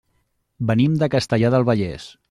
Venim de Castellar del Vallès.